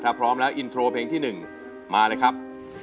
ถ้าพร้อมแล้วอินโทรเพลงที่๑มาเลยครับ